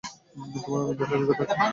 তোমার অনেক বছরের অভিজ্ঞতা আছে।